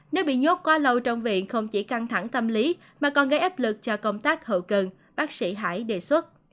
nếu bị nhốt quá lâu trong viện không chỉ căng thẳng thâm lý mà còn gây ép lực cho công tác hậu cường bác sĩ hải đề xuất